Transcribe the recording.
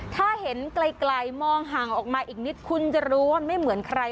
ถ้าเห็นไกลมองห่างออกมาอีกนิดคุณจะรู้ว่าไม่เหมือนใคร